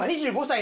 ２５歳！